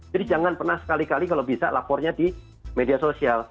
jadi jangan pernah sekali kali kalau bisa lapornya di media sosial